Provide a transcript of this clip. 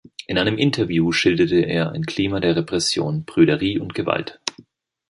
In einem Interview schilderte er ein Klima der Repression, Prüderie und Gewalt.